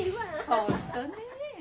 本当ねえ。